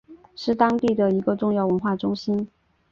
是当地的一个重要的文化中心。